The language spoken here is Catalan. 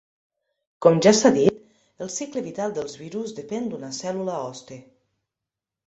Com ja s'ha dit, el cicle vital dels virus depèn d'una cèl·lula hoste.